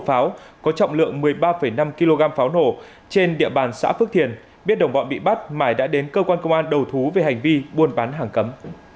trái phép trọng lượng một mươi ba năm kg pháo nổ trên địa bàn xã phước thiền biết đồng bọn bị bắt mải đã đến công an đầu thú về hành vi buôn bán hàng cấm